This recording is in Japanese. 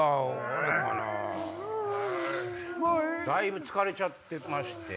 もういい・だいぶ疲れちゃってまして。